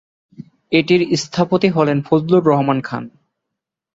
এটির স্থপতি হলেন ফজলুর রহমান খান।